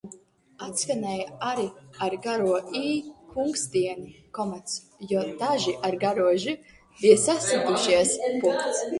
Atskanēja arī kunkstieni, jo daži bija sasitušies.